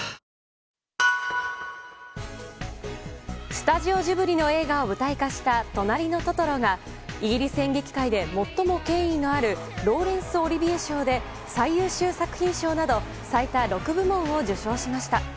スタジオジブリの映画を舞台化した「となりのトトロ」がイギリス演劇界で最も権威のあるローレンス・オリビエ賞で最優秀作品賞など最多６部門を受賞しました。